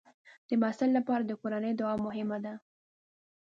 د محصل لپاره د کورنۍ دعا مهمه ده.